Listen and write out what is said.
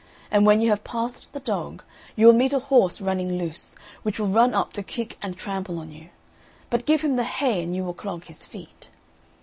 And when you have passed the dog, you will meet a horse running loose, which will run up to kick and trample on you; but give him the hay, and you will clog his feet.